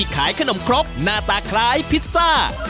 ขายขนมครกหน้าตาคล้ายพิซซ่า